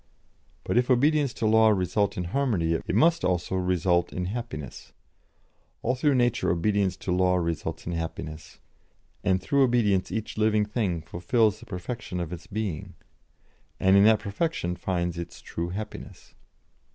But if obedience to law result in harmony it must also result in happiness all through nature obedience to law results in happiness, and through obedience each living thing fulfils the perfection of its being, and in that perfection finds its true happiness."